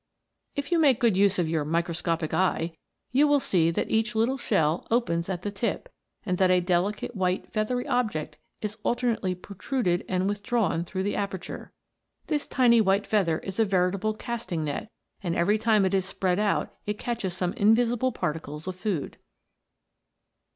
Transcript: If you make good use of your " microscopic eye," you will see that each little shell opens at the tip, and that a delicate white feathery object is alternately pro truded and withdrawn through the aperture. This tiny white feather is a veritable casting net, and every time it is spread out it catches some invisible particles of food.